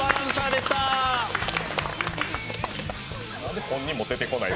なんで本人も出てこない